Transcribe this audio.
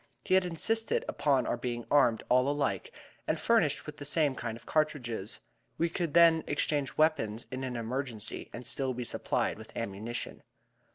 He had insisted upon our being armed all alike, and furnished with the same kind of cartridges. We could then exchange weapons in an emergency, and still be supplied with ammunition.